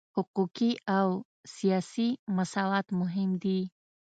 حقوقي او سیاسي مساوات مهم دي.